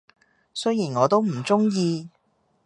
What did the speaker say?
雖然我都唔鍾意